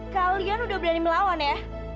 kalian udah berani melawan ya